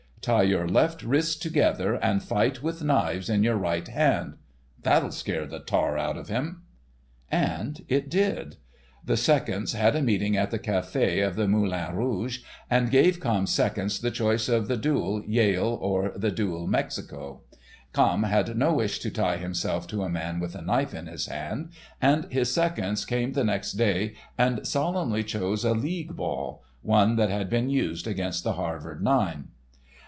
"Tie your left wrists together, and fight with knives in your right hand. That'll scare the tar out of him." And it did. The seconds had a meeting at the cafe of the Moulin Rouge, and gave Camme's seconds the choice of the duel Yale or the duel Mexico. Camme had no wish to tie himself to a man with a knife in his hand, and his seconds came the next day and solemnly chose a league ball—one that had been used against the Havard nine.